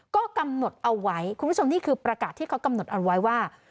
ก็กำหนดเอาไว้คุณผู้ชมนี่คือประกาศที่เขากำหนดเอาไว้ว่า